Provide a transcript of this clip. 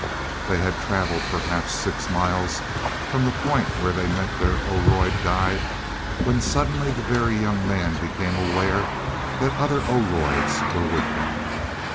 They had traveled perhaps six miles from the point where they met their Oroid guide when suddenly the Very Young Man became aware that other Oroids were with them.